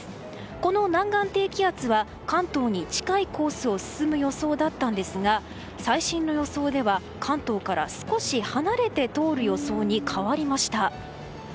この南岸低気圧は関東に近いコースを進む予想だったんですが最新の予想では関東から少し離れて通る予想に変わりました。